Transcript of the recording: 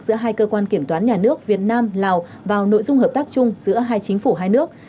giữa hai cơ quan kiểm toán nhà nước việt nam lào vào nội dung hợp tác chung giữa hai chính phủ hai nước